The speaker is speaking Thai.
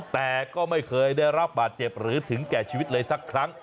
แต่ก็ไม่เคยได้รับบาดเจ็บหรือถึงแก่ชีวิตเลยสักครั้ง